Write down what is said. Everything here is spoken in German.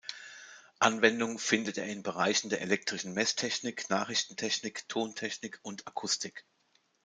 Anwendung findet er in Bereichen der elektrischen Messtechnik, Nachrichtentechnik, Tontechnik und Akustik.